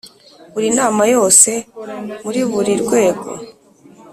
Buri nama yose muri buri rwego